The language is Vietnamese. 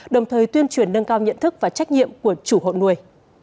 đồng thời tuyên truyền nâng cao nhận thức và trách nhiệm của chủ hộ nuôi